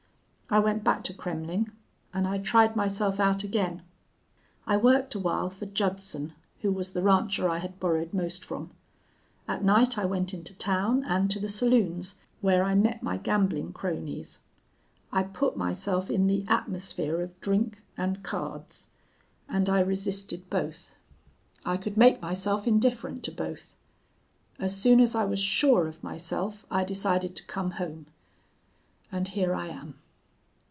I went back to Kremmling. And I tried myself out again. I worked awhile for Judson, who was the rancher I had borrowed most from. At night I went into town and to the saloons, where I met my gambling cronies. I put myself in the atmosphere of drink and cards. And I resisted both. I could make myself indifferent to both. As soon as I was sure of myself I decided to come home. And here I am.'